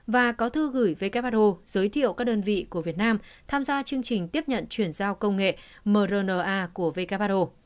và có thư gửi who giới thiệu các đơn vị của việt nam tham gia chương trình tiếp nhận chuyển giao công nghệ mrna của who